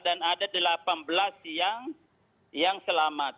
dan ada delapan belas yang selamat